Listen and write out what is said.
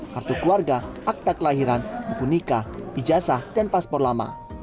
kartu keluarga akta kelahiran buku nikah pijasa dan paspor lama